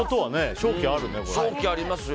勝機ありますよ。